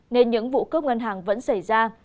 nên những vụ cướp ngân hàng vẫn xảy ra